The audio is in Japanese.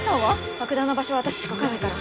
爆弾の場所は私しか分かんないから。